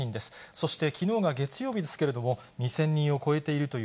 そしてきのうが月曜日ですけれども、２０００人を超えているとい